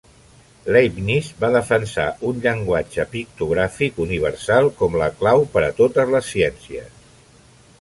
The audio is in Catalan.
Leibniz va defensar un llenguatge pictogràfic universal com la clau per a totes les ciències.